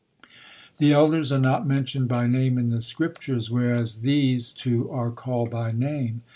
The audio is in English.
The elders are not mentioned by name in the Scriptures, whereas theses two are called by name.